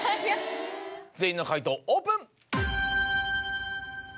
全員の解答オープン！